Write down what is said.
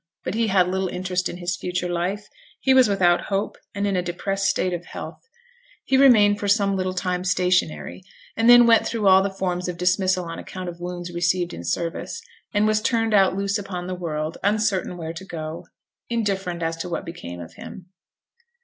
But he had little interest in his future life; he was without hope, and in a depressed state of health. He remained for some little time stationary, and then went through all the forms of dismissal on account of wounds received in service, and was turned out loose upon the world, uncertain where to go, indifferent as to what became of him.